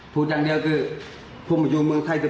พูดอย่างเดียวคือผู้มาอยู่เมืองไทย